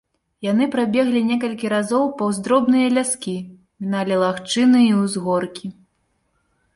Яны прабеглі некалькі разоў паўз дробныя ляскі, міналі лагчыны і ўзгоркі.